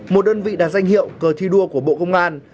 một đơn vị đạt danh hiệu cờ thi đua của bộ công an